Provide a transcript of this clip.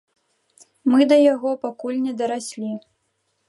Мы да яго пакуль не дараслі.